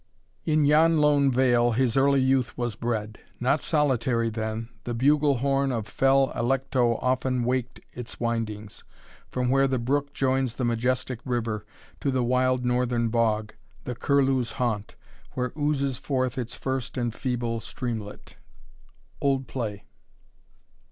In yon lone vale his early youth was bred, Not solitary then the bugle horn Of fell Alecto often waked its windings, From where the brook joins the majestic river, To the wild northern bog, the curlew's haunt, Where oozes forth its first and feeble streamlet. OLD PLAY.